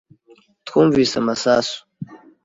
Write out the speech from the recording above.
Twumvise amasasu.